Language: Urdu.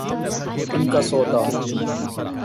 ان کا سودا؟